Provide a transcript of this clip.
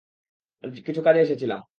কিছু কাজে এসেছিলাম।